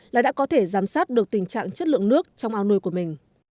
là đã có thể giám sát được tình trạng chất lượng nước trong ao nuôi của mình